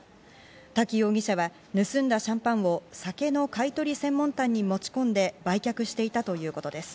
滝容疑者は盗んだシャンパンを酒の買い取り専門店に持ち込んで売却していたということです。